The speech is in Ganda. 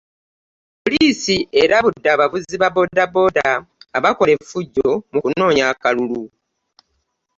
Poliisi erabudde abavuzi ba boodaboodaa abakola efujjo mu kunonya akalulu.